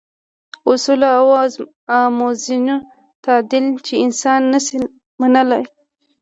اصولو او موازینو تعدیل چې انسان نه شي منلای.